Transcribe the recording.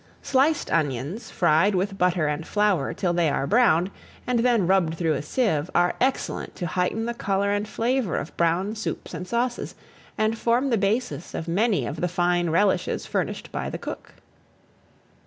Sliced onions, fried with butter and flour till they are browned, and then rubbed through a sieve, are excellent to heighten the colour and flavour of brown soups and sauces, and form the basis of many of the fine relishes furnished by the cook.